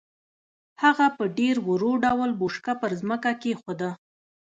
هغه په ډېر ورو ډول بوشکه پر ځمکه کېښوده.